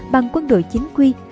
bằng quân đội chính quy